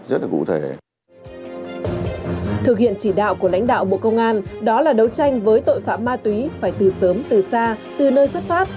trong đó cục kế hoạch của lãnh đạo bộ công an đó là đấu tranh với tội phạm ma túy phải từ sớm từ xa